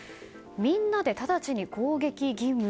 みんなで直ちに攻撃義務。